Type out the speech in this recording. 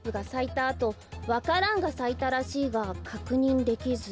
あとわか蘭がさいたらしいがかくにんできず」。